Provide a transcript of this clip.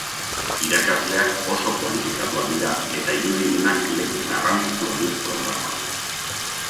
Irakasleak oso kualifikatuak dira eta irudimenak leku garrantzitsua du programan.